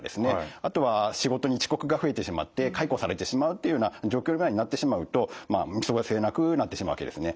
あとは仕事に遅刻が増えてしまって解雇されてしまうっていうような状況になってしまうと見過ごせなくなってしまうわけですね。